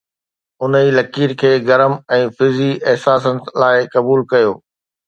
انهي لڪير کي گرم ۽ فزي احساسن لاءِ قبول ڪيو